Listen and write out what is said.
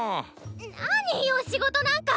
なによ仕事なんか！